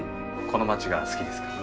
この街が好きですか？